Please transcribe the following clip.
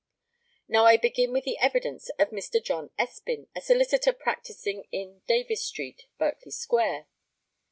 Now I begin with the evidence of Mr. John Espin, a solicitor practising in Davies street, Berkeley square.